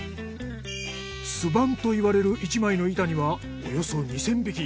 巣板といわれる１枚の板にはおよそ２，０００匹。